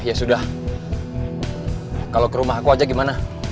ya sudah kalau ke rumah aku aja gimana